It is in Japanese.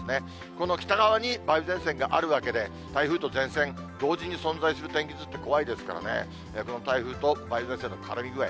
この北側に梅雨前線があるわけで、台風と前線、同時に存在する天気図って怖いですからね、この台風と梅雨前線の絡み具合、